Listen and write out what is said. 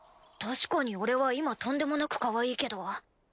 確かに俺は今とんでもなくかわいいけど。